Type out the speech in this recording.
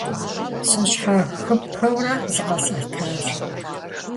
Сыщхьэхыпэурэ зыкъэсӀэтащ.